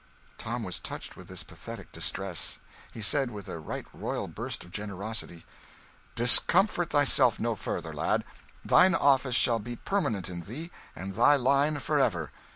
Tom was touched with this pathetic distress. He said, with a right royal burst of generosity "Discomfort thyself no further, lad. Thine office shall be permanent in thee and thy line for ever."